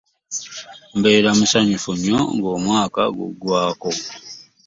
Mbeera musanyufu nnyo nga omwaka gugwaako.